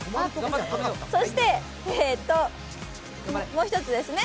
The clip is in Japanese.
そして、もう一つですね